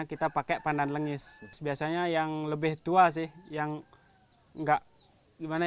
berikut adalah topik kita